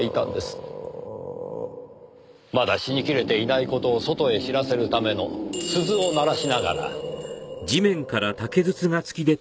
まだ死に切れていない事を外へ知らせるための鈴を鳴らしながら。